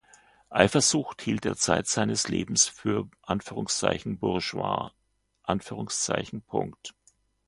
Eifersucht hielt er zeit seines Lebens für „bourgeois“.